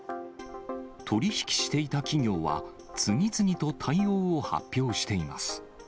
取り引きしていた企業は、次々と対応を発表しています。